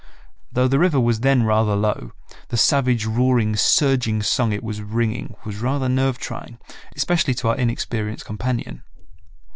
Though the river was then rather low, the savage, roaring, surging song it was ringing was rather nerve trying, especially to our inexperienced companion.